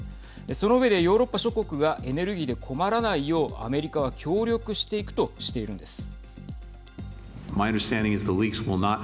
その上でヨーロッパ諸国がエネルギーで困らないようアメリカは協力していくとしているんです。